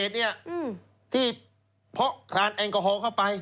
อุปสรรค์โดย